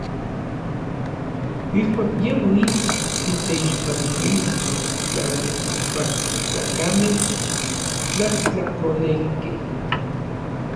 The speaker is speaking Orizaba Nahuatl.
Ijkuak yej uits, kinteixpantilis n tlaltikpaktlakamej tlajtlakolejkej.